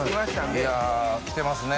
いや来てますね。